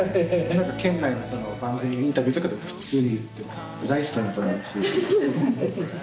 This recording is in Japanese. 県内の番組のインタビューとかでも普通に言ってます。